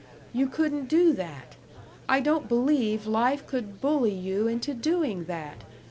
You couldn't do that. I don't believe life could bully you into doing that....